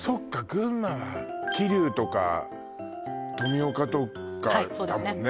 群馬は桐生とか富岡とかだもんね